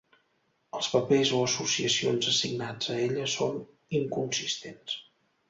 Els papers o associacions assignats a ella són inconsistents.